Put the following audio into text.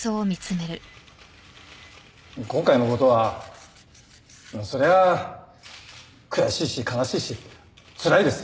今回のことはそれは悔しいし悲しいしつらいです。